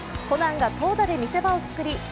コナンが投打で見せ場を作り